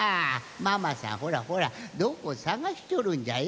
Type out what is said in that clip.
ママさんほらほらどこさがしとるんじゃよ。